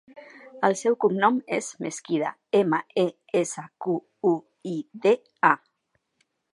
El seu cognom és Mesquida: ema, e, essa, cu, u, i, de, a.